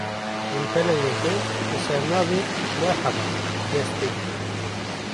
Rûpela yekem, bi sernavê "Merhaba" dest pê dike